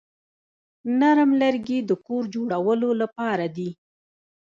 نرم لرګي د کور جوړولو لپاره دي.